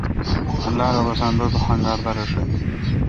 اللہ رب آسان دوزخ انگار دا رݭہ۔